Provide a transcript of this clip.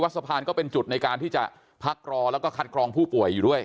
สะพานก็เป็นจุดในการที่จะพักรอแล้วก็คัดกรองผู้ป่วยอยู่ด้วย